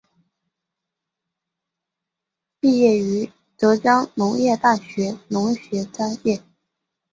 毕业于浙江农业大学农学专业。